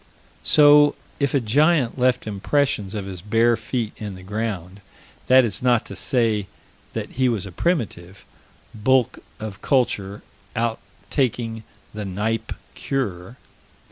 So, if a giant left impressions of his bare feet in the ground, that is not to say that he was a primitive bulk of culture out taking the Kneipp cure.